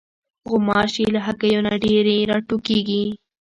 غوماشې له هګیو نه ډېرې راټوکېږي.